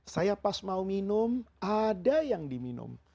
saya pas mau minum ada yang diminum